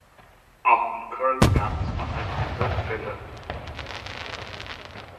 Auch in Köln gab es vereinzelte Fälle.